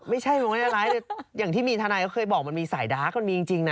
ไม่ใช่มองแง่อะไรอย่างที่มีทานายเขาเคยบอกมันมีสายดาร์กมันมีจริงนะ